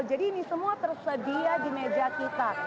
jadi ini semua tersedia di meja kita